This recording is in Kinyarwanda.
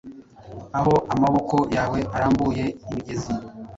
Aho amaboko yawe arambuye imigezi